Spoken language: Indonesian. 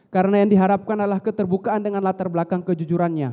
karena yang diharapkan adalah keterbukaan dengan latar belakang kejujurannya